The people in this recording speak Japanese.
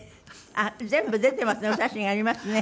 あっ全部出てますね。